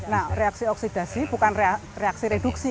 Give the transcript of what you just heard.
nah reaksi oksidasi bukan reaksi reduksi